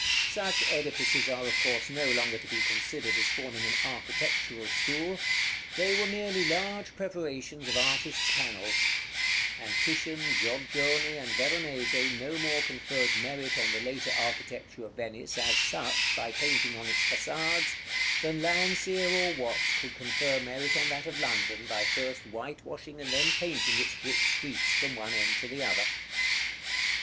Such edifices are of course no longer to be considered as forming an architectural school; they were merely large preparations of artists' panels; and Titian, Giorgione, and Veronese no more conferred merit on the later architecture of Venice, as such, by painting on its façades, than Landseer or Watts could confer merit on that of London by first whitewashing and then painting its brick streets from one end to the other.